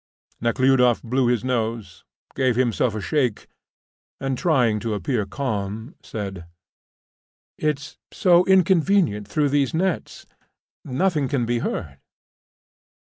Nekhludoff blew his nose, gave himself a shake, and, trying to appear calm, said: "It's so inconvenient through these nets; nothing can be heard."